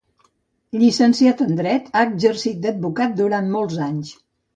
Llicenciat en dret, ha exercit d'advocat durant molts anys.